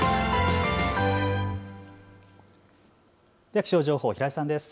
では気象情報、平井さんです。